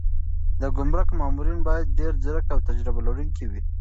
د ګمرک مامورین باید ډېر ځیرک او تجربه لرونکي وي.